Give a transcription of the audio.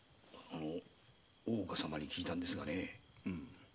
大岡様に聞いたんですがね。